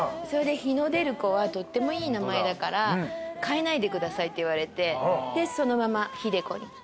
それで日の出る子はとってもいい名前だから変えないでくださいって言われてでそのまま日出子に。